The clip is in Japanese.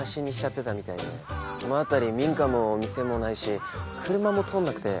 この辺り民家も店もないし車も通んなくて。